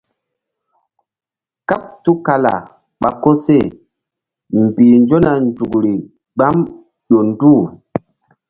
Kàɓ tul kala ɓa koseh mbih nzona nzukri gbam ƴo nduh.